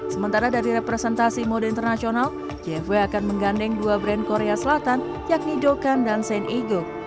sementara dari representasi mode internasional jfw akan menggandeng dua brand korea selatan yakni dokan dan shane ego